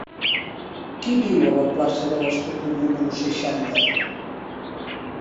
Qui viu a la plaça de l'Estatut número seixanta?